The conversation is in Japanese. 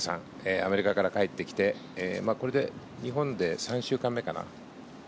アメリカから帰ってきてこれで日本で３週間目かな？